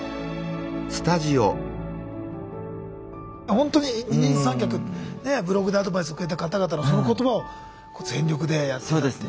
ほんとに二人三脚ブログでアドバイスをくれた方々のその言葉を全力でやっていったというね。